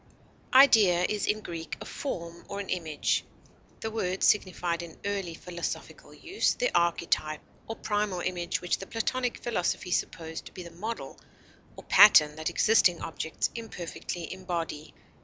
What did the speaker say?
Idea is in Greek a form or an image. The word signified in early philosophical use the archetype or primal image which the Platonic philosophy supposed to be the model or pattern that existing objects imperfectly embody.